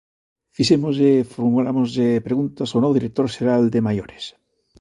Fixémoslle e formulámoslle preguntas ao novo director xeral de Maiores.